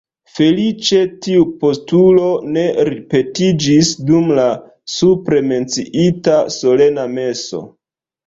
Feliĉe tiu postulo ne ripetiĝis dum la supre menciita solena meso.